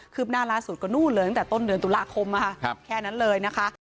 หน้าล่าสุดก็นู่นเลยตั้งแต่ต้นเดือนตุลาคมแค่นั้นเลยนะคะ